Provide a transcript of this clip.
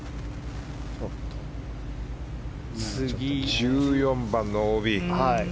１４番のＯＢ。